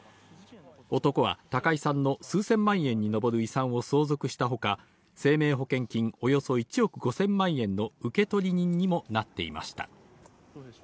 男は高井さんの数千万円にのぼる遺産を相続したほか、生命保険金およそ１億５０００万円の受取人にもなっていました。